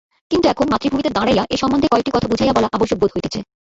কিন্তু এখন মাতৃভূমিতে দাঁড়াইয়া এ সম্বন্ধে কয়েকটি কথা বুঝাইয়া বলা আবশ্যক বোধ হইতেছে।